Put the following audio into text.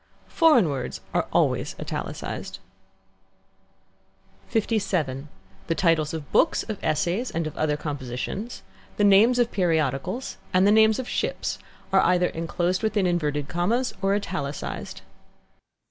Foreign words are always italicized. (Rule LXIV.) LVII. The titles of books, of essays, and of other compositions; the names of periodicals; and the names of ships, are either enclosed within inverted commas or italicized.